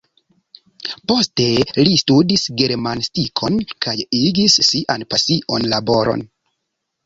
Poste li studis germanistikon kaj igis sian pasion laboro.